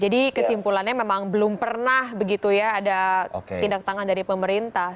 jadi kesimpulannya memang belum pernah begitu ya ada tindak tangan dari pemerintah